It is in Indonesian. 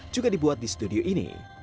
juga dibuat di studio ini